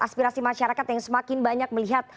aspirasi masyarakat yang semakin banyak melihat